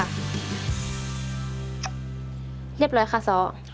เรียบร้อยค่ะซ้อ